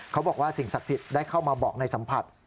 เขาบอกว่าสิ่งศักดิ์สิทธิ์ได้เข้ามาบอกในสัมผัส